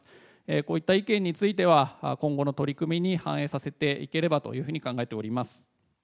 こういった意見については、今後の取り組みに反映させていければと考えております。